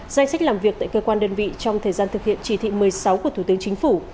danh sách làm việc tại cơ quan đơn vị trong thời gian thực hiện chỉ thị một mươi sáu của thủ tướng chính phủ